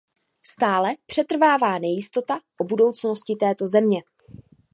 Stále přetrvává nejistota o budoucnosti této země.